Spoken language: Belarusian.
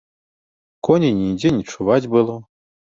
Коней нідзе не чуваць было.